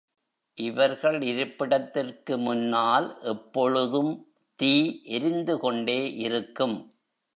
இவர்கள் இருப்பிடத்திற்கு முன்னால் எப்பொழுதும் தீ எரிந்துகொண்டே இருக்கும்.